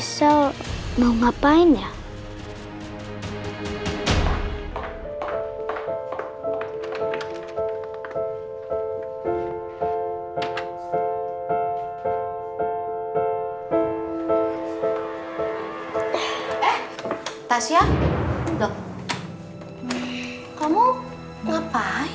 kamu ngapain disini